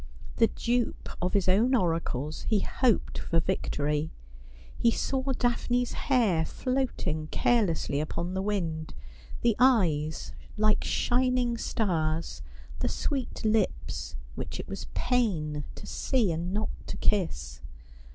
The dupe of his own oracles, he hoped for victory. He saw Daphne's hair floating care lessly upon the wind ; the eyes, like shining stars ; the sweet lips, which it was pain to see and not to kiss.